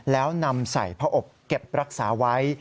แล้วนำใส่ผ้าอบเก็บรักษาไว้